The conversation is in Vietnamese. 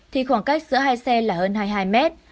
thì khoảng cách giữa hai xe là hơn hai mươi hai mét